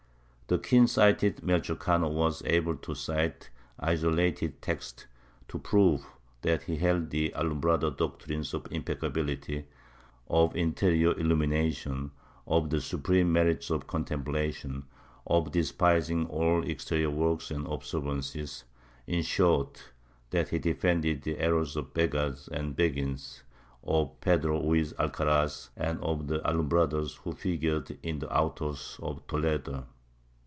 The keen sighted Welchor Cano was able to cite isolated texts to prove that he held the alumbrado doctrines of impeccability, of interior illumination, of the supreme merits of contemplation, of despising all exterior works and obser vances—in short that he defended the errors of the Begghards and Beguines, of Pedro Ruiz Alcaraz and of the Alumbrados who figured in the autos of Toledo.'